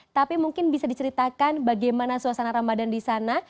tapi mungkin bisa diceritakan bagaimana suasana ramadan di sana